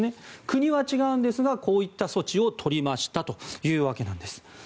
国は違うんですがこういった措置を取りましたというわけなんです。